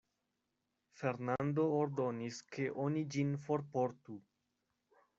Fernando ordonis, ke oni ĝin forportu.